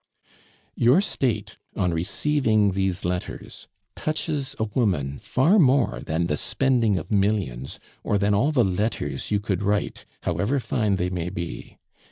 "Your state on receiving these letters touches a woman far more than the spending of millions, or than all the letters you could write, however fine they may be.